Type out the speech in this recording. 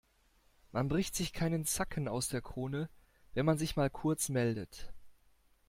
Man bricht sich keinen Zacken aus der Krone, wenn man sich mal kurz meldet.